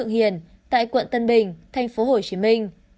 đàm vĩnh hương tự hiện tại quận tân bình thành phố hồ chí minh